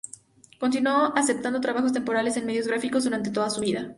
Continuó aceptando trabajos temporales en medios gráficos durante toda su vida.